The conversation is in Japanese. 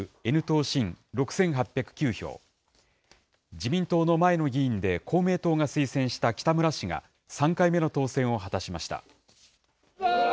自民党の前の議員で、公明党が推薦した北村氏が、３回目の当選を果たしました。